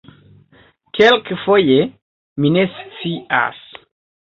Kelkfoje... mi ne scias...